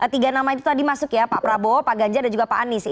tiga nama itu tadi masuk ya pak prabowo pak ganjar dan juga pak anies